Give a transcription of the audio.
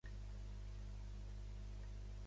Xavier Muixí i Solé és un periodista nascut a Barcelona.